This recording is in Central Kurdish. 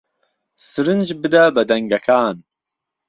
سرنج بدە بە دەنگەکان